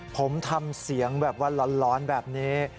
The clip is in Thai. ผมทำเสียงแบบว่าร้อนแบบนี้